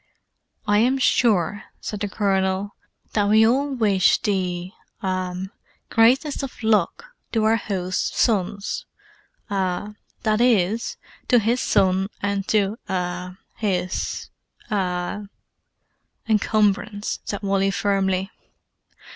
"I am sure," said the Colonel, "that we all wish the—ah—greatest of luck to our host's sons—ah, that is, to his son and to—ah—his—ah——" "Encumbrance," said Wally firmly.